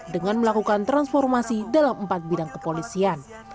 dengan melakukan transformasi dalam empat bidang kepolisian